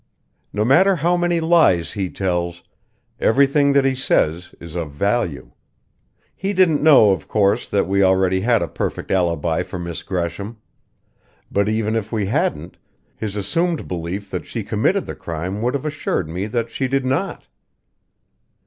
No matter how many lies he tells, everything that he says is of value. He didn't know, of course, that we already had a perfect alibi for Miss Gresham; but even if we hadn't, his assumed belief that she committed the crime would have assured me that she did not.